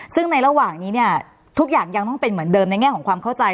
ซึ่งในระหว่างนี้เนี่ยทุกอย่างยังต้องเป็นเหมือนเดิมในแง่ของความเข้าใจ